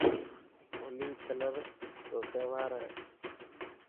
هولي ڪلر رو تهوار هي.